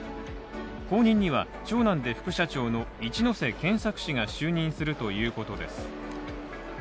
後任には長男で副社長の一瀬健作氏が就任するということです。